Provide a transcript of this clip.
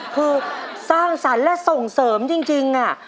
คือสร้างสรรค์และส่งเสริมจริง